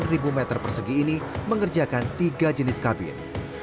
workshop seluas delapan meter persegi ini mengerjakan tiga jenis kabin